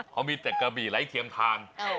เขามีแต่กะบี่ไร้เทียมทาน